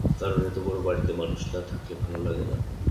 কারণ এত বড় বাড়িতে মানুষ না-থাকলে ভালো লাগে না।